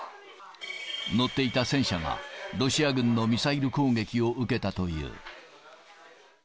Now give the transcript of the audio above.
乗っていた戦車がロシア軍のミサイル攻撃を受けたという。